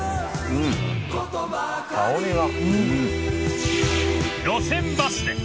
香りが。